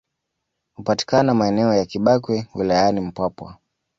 Hupatikana maeneo ya Kibakwe wilayani Mpwapwa